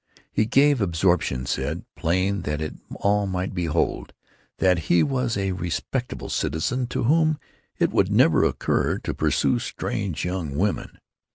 His grave absorption said, plain that all might behold, that he was a respectable citizen to whom it would never occur to pursue strange young women.